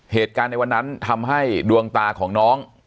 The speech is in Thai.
เหตุการณ์ในวันนั้นทำให้ดวงตาของน้อง